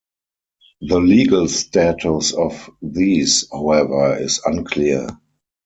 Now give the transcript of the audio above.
The legal status of these, however, is unclear.